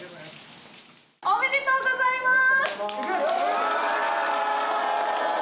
おめでとうございます！